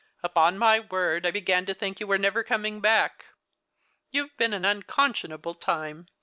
" Upon 'my word, I began to think you were never coming back. You've been an unconscionable time.